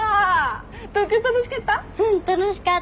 東京楽しかった？